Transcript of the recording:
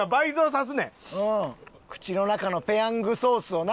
口の中のペヤングソースをな。